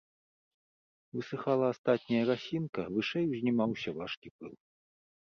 Высыхала астатняя расінка, вышэй узнімаўся важкі пыл.